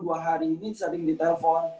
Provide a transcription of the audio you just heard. dua hari ini sering ditelepon